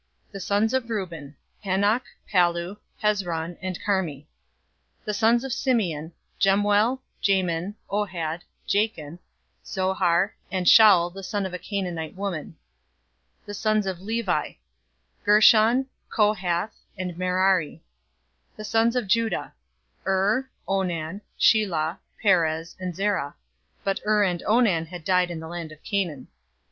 046:009 The sons of Reuben: Hanoch, Pallu, Hezron, and Carmi. 046:010 The sons of Simeon: Jemuel, Jamin, Ohad, Jachin, Zohar, and Shaul the son of a Canaanite woman. 046:011 The sons of Levi: Gershon, Kohath, and Merari. 046:012 The sons of Judah: Er, Onan, Shelah, Perez, and Zerah; but Er and Onan died in the land of Canaan.